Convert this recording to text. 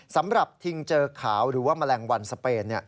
สำหรับทิงเจอขาวหรือว่าแมลงวันสเปน